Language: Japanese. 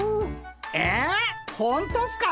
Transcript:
えほんとっすか？